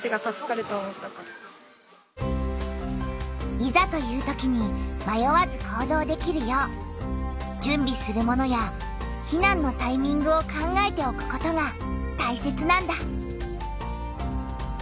いざというときにまよわず行動できるよう準備するものや避難のタイミングを考えておくことがたいせつなんだ。